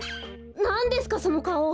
なんですかそのかお。